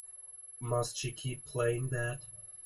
Must she keep playing that?